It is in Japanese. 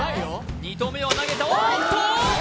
２投目を投げたおーっと！